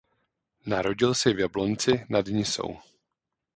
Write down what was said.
Narodil se v Jablonci nad Nisou.